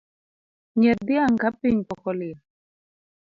Nyiedh dhiang’ kapiny pok olil.